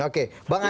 oke bang adi